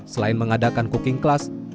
selain mengadakan cooking class